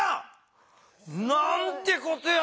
なんてことや！